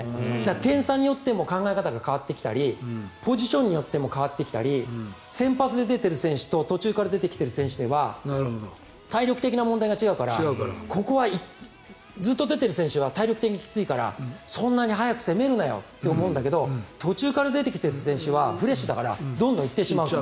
点差によっても考え方が変わってきたりポジションによっても変わってきたり先発で出ている選手と途中から出てきている選手では体力的な問題が違うからここは、ずっと出てる選手は体力的にきついからそんなに早く攻めるなよって思うんだけど途中から出てきている選手はフレッシュだからどんどん行ってしまうと。